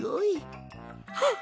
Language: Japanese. はっ！